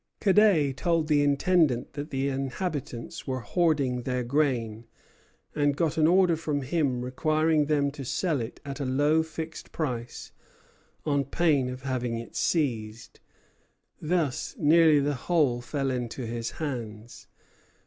Cadet told the Intendant that the inhabitants were hoarding their grain, and got an order from him requiring them to sell it at a low fixed price, on pain of having it seized. Thus nearly the whole fell into his hands.